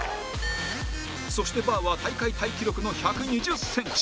そしてバーは大会タイ記録の１２０センチ